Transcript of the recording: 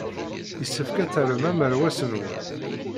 Yessefk ad terrem amerwas-nwen.